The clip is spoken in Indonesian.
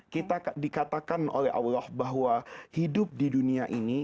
kita dikatakan oleh allah bahwa hidup di dunia ini